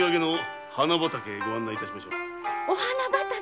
お花畑⁉